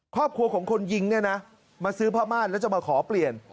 ครอบครัวของคนยิงเนี่ยนะมาซื้อผ้าม่านแล้วจะมาขอเปลี่ยน